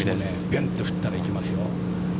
びゅんと振ったらいきますよ。